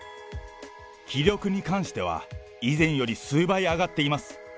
気力に関しては以前より数倍上がっています。